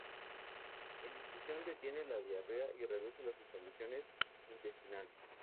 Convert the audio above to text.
En infusión, detiene la diarrea y reduce las inflamaciones intestinales.